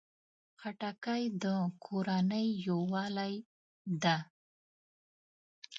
خټکی د کورنۍ یووالي ده.